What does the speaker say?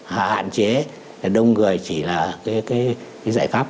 hạn chế đông người chỉ là cái giải pháp